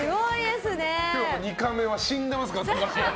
今日２カメは死んでますから。